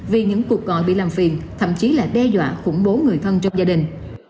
vì những cuộc gọi bị làm phiền thậm chí là đe dọa khủng bố người thân trong gia đình